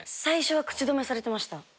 最初は口止めされてました。